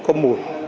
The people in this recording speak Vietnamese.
không có mùi